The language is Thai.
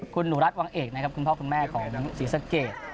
คุณหนูรัฐวังเอกนะครับคุณพ่อคุณแม่ของศรีสะเกด